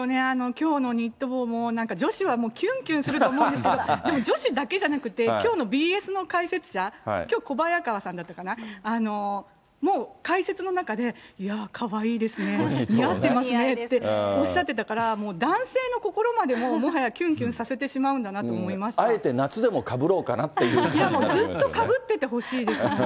きょうのニット帽も、なんか女子はもうきゅんきゅんすると思うんですけど、でも女子だけじゃなくて、きょうのＢＳの解説者、きょう、小早川さんだったかな、もう解説の中で、いや、かわいいですね、似合ってますねっておっしゃってたから、男性の方までももはやきゅんきゅんさせてしまうんだなと思いましあえて夏でもかぶろうかなとずっとかぶっててほしいです